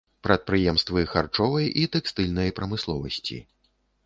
Прадпрыемствы харчовай і тэкстыльнай прамысловасці.